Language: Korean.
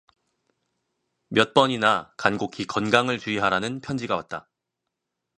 몇 번이나 간곡히 건강을 주의하라는 편지가 왔다.